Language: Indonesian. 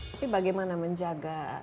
tapi bagaimana menjaga